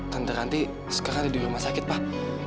tante ranti sekarang ada di rumah sakit pak